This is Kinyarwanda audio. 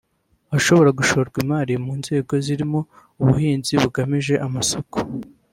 ahashobora gushorwa imari mu nzego zirimo “ubuhinzi bugamije amasoko